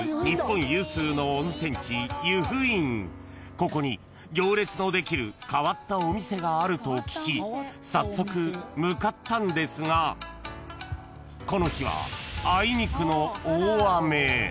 ［ここに行列のできる変わったお店があると聞き早速向かったんですがこの日はあいにくの］